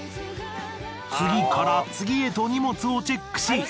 次から次へと荷物をチェックし。